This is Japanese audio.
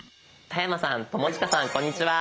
田山さん友近さんこんにちは。